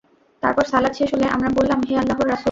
তারপর সালাত শেষ হলে আমরা বললাম, হে আল্লাহর রাসূল!